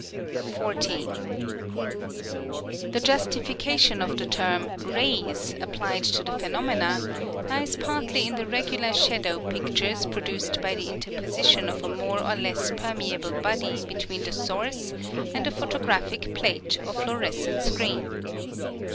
14. The justification of the term 'rays,' applied to the phenomena, lies partly in the regular shadow pictures produced by the interposition of a more or less permeable body between the source and a photographic plate or fluorescent screen.